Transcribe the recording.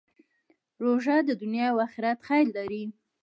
روژه د دنیا او آخرت خیر لري.